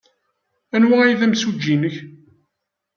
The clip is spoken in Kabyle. Anwa ay d imsujji-nnek?